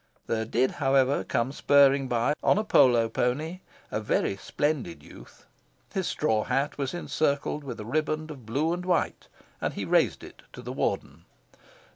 There did, however, come spurring by, on a polo pony, a very splendid youth. His straw hat was encircled with a riband of blue and white, and he raised it to the Warden.